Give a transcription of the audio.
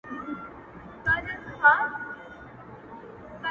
• تر لمسیو کړوسیو مو بسیږي ,